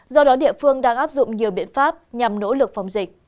do đó địa phương đang áp dụng nhiều biện pháp nhằm nỗ lực phòng dịch